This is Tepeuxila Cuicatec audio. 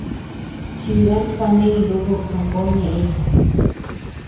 Chidan kaneñ nuku kambo ñeʼeñ.